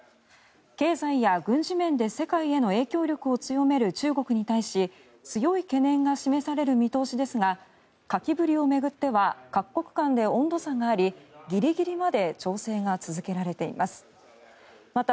経済や軍事面で世界への影響力を強める中国に対し強い懸念が示される見通しですが書きぶりを巡っては各国間で温度差がありギリギリまで調整が続けられています。